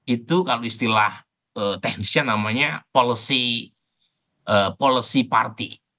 itu kalau istilah teknisnya namanya policy party